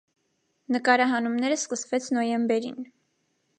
Նկարահանումները սկսվեց նոյեմբերին։